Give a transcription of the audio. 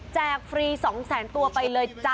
แจกฟรี๒๐๐๐๐๐ตัวไปเลยจ้ะ